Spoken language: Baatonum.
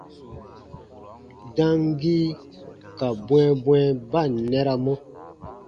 Damgii ka bwɛ̃ɛbwɛ̃ɛ ba ǹ nɛramɔ.